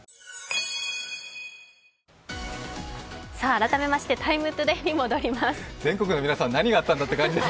改めまして「ＴＩＭＥＴＯＤＡＹ」に戻ります。